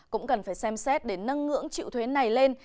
cũng cần phải xem xét để nâng ngưỡng chịu thuế này lên